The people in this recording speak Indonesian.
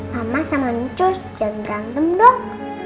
mama sama ncus jangan berantem dok